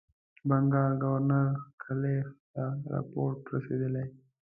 بنکال ګورنر کلایف ته رپوټ رسېدلی.